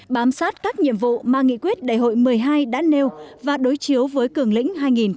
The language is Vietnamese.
bám sát các nhiệm vụ mà nghị quyết đại hội một mươi hai đã nêu và đối chiếu với cường lĩnh hai nghìn một mươi một